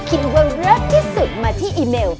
คิดว่าเลิฟที่สุดมาที่อีเมล